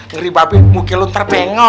ngeri mbak beng mukil lo terpengok